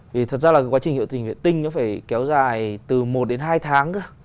vì thật ra là quá trình hiệu trình vệ tinh nó phải kéo dài từ một đến hai tháng nữa